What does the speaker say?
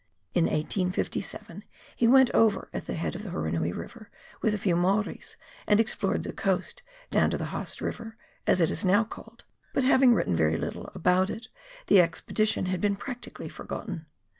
In 1857, he went over at the head of the Hurunui River, with a few Maoris, and explored the coast down to the Haast River, as it is now called, but having written very little about it, the expedition has been practically forgotten.